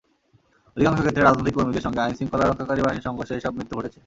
অধিকাংশ ক্ষেত্রেই রাজনৈতিক কর্মীদের সঙ্গে আইনশৃঙ্খলা রক্ষাকারী বাহিনীর সংঘর্ষে এসব মৃত্যু ঘটেছে।